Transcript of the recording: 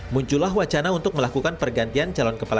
muncullah wacana untuk melakukan pergantian calon kepala